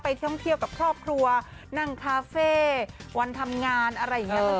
ท่องเที่ยวกับครอบครัวนั่งคาเฟ่วันทำงานอะไรอย่างนี้